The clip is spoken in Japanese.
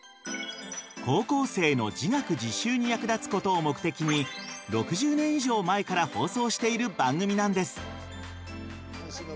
高校生の自学自習に役立つことを目的に６０年以上前から放送している番組なんです。